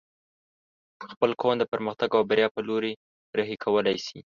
خپل قوم د پرمختګ او بريا په لوري رهي کولی شې